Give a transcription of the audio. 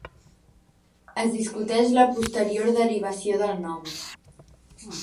Es discuteix la posterior derivació del nom.